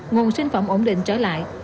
nguồn sinh phẩm ổn định trở lại